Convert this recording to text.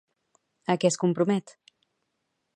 A què es compromet?